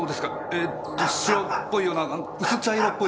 えっと白っぽいような薄茶色っぽいような。